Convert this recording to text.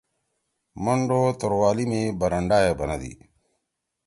منڈُو توروالی می برانڈا یے بندی۔